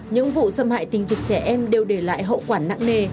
những vụ xâm hại tình dục trẻ em đều để lại hậu quả nặng nề